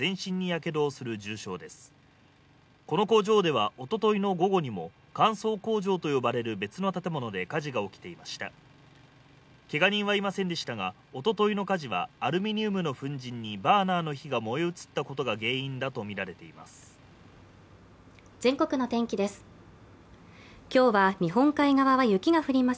けが人はいませんでしたが、おとといの火事はアルミニウムの粉じんにバーナーの火が燃え移ったことが原因だとみられています。